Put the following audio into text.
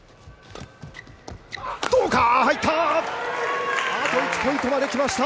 どうか、入った！